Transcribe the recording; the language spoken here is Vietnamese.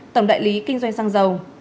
tổng đại lý kinh doanh xăng dầu